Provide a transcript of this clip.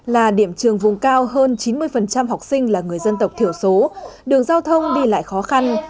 là điểm trường vùng cao hơn chín mươi học sinh là người dân tộc thiểu số đường giao thông đi lại khó khăn